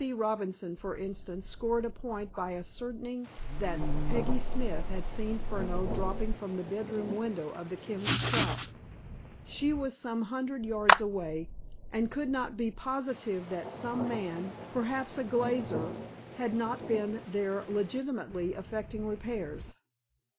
Robinson, for instance, scored a point by ascertaining that Peggy Smith had seen Furneaux dropping from the bedroom window of the chemist's shop. She was some hundreds of yards away, and could not be positive that some man, perhaps a glazier, had not been there legitimately effecting repairs.